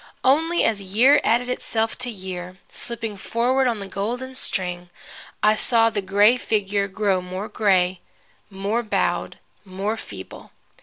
Only as year added itself to year, slipping forward on the golden string, I saw the gray figure grow more gray, more bowed, more feeble.